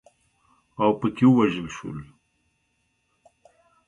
اوپکي ووژل شول.